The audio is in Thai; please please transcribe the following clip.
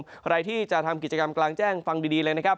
อะไรที่จะทำกิจกรรมกลางแจ้งฟังดีเลย